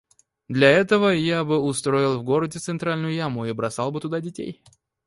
Для этого я бы устроил в городе центральную яму и бросал бы туда детей.